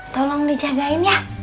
tolong dijagain ya